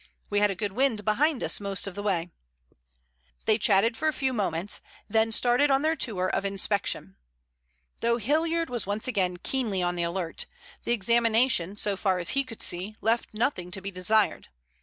"We had a good wind behind us most of the way." They chatted for a few moments, then started on their tour of inspection. Though Hilliard was once again keenly on the alert, the examination, so far as he could see, left nothing to be desired.